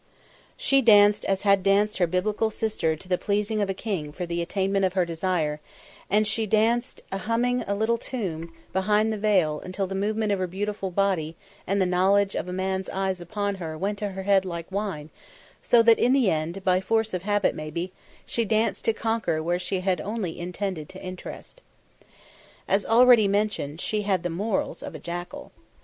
She danced as had danced her Biblical sister to the pleasing of a king for the attainment of her desire; and she danced humming a little tune behind the veil until the movement of her beautiful body and the knowledge of a man's eyes upon her went to her head like wine, so that in the end, by force of habit maybe, she danced to conquer where she had only intended to interest. As already mentioned, she had the morals of a jackal.